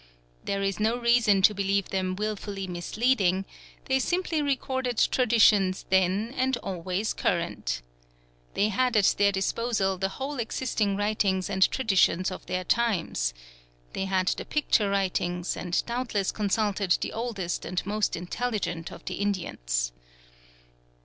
There is no reason to believe them wilfully misleading. They simply recorded traditions then and always current. They had at their disposal the whole existing writings and traditions of their times. They had the picture writings, and doubtless consulted the oldest and most intelligent of the Indians.